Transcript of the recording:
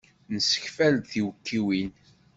Nessekfal-d tiwekkiwin.